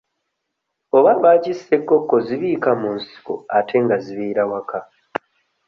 Oba lwaki ssekoko zibiika mu nsiko ate nga zibeera waka?